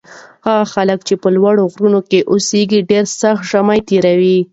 هغه خلک چې په لوړو غرونو کې اوسي ډېر سخت ژمی تېروي.